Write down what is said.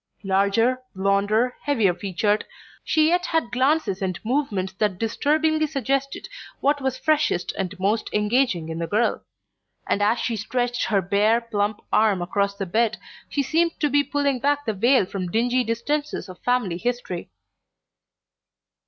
Larger, blonder, heavier featured, she yet had glances and movements that disturbingly suggested what was freshest and most engaging in the girl; and as she stretched her bare plump arm across the bed she seemed to be pulling back the veil from dingy distances of family history.